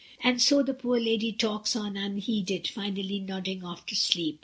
And so the poor lady talks on unheeded, finally nodding off to sleep.